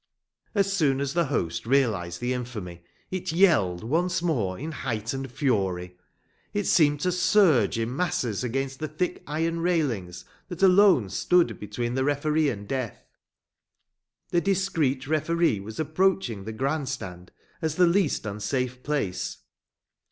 As soon as the host realized the infamy it yelled once more in heightened fury. It seemed to surge in masses against the thick iron railings that alone stood between the referee and death. The discreet referee was approaching the grand stand as the least unsafe place.